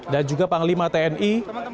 dan juga panglima tni